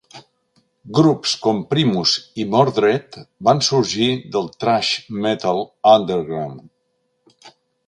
Grups com Primus i Mordred van sorgir del thrash metall underground.